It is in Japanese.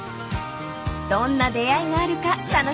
［どんな出会いがあるか楽しみです］